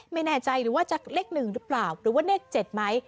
ไม่แน่ใจหรือว่าจะเลข๑หรือเปล่าหรือว่าเลข๗ไหม